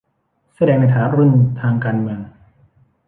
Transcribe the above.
เสื้อแดงในฐานะรุ่นทางการเมือง